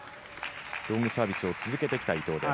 ロングサービスを続けてきた伊藤です。